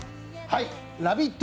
「ラヴィット！」